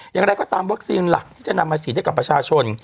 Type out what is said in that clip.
อย่างไรก็ตามวัคซีนหลักที่จะนำมาฉีดให้กับประชาชน